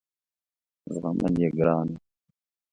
زغمل یې ګران وه.